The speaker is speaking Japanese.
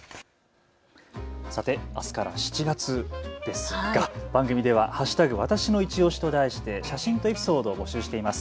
さて、あすから７月ですが番組では＃わたしのいちオシと題して写真とエピソードを募集しています。